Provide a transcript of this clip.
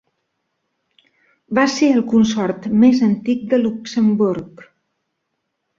Va ser el consort més antic de Luxemburg.